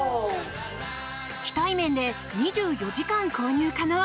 非対面で２４時間購入可能。